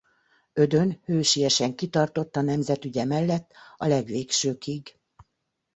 Ödön hősiesen kitartott a nemzet ügye mellett a legvégsőkig.